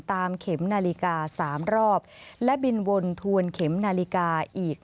เข็มนาฬิกา๓รอบและบินวนทวนเข็มนาฬิกาอีก